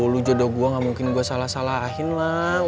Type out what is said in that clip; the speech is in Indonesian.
lu jodoh gue gak mungkin gue salah salahin lah